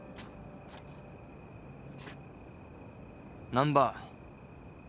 難破。